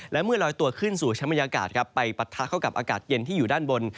และเมื่อลอยตัวขึ้นสู่ชั้นบรรยากาศไปปะทะเข้ากับอากาศเย็นที่อยู่ด้านบน